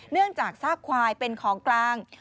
เนื่องจากซ่ากควายเป็นของกลาง